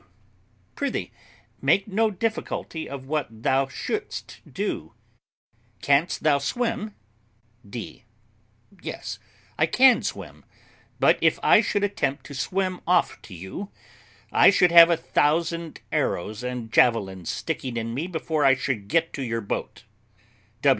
W. Prithee, make no difficulty of what thou shouldst do. Canst thou swim? D. Yes, I can swim; but if I should attempt to swim off to you, I should have a thousand arrows and javelins sticking in me before I should get to your boat.